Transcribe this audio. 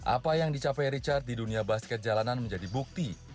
apa yang dicapai richard di dunia basket jalanan menjadi bukti